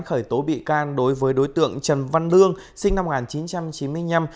khởi tố bị can đối với đối tượng trần văn lương sinh năm một nghìn chín trăm chín mươi năm